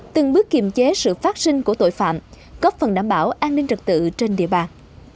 từng bước kiềm chế sự phát sinh của tội phạm góp phần đảm bảo an ninh trật tự trên địa bàn